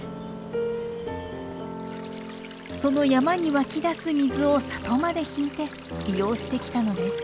その山に湧き出す水を里まで引いて利用してきたのです。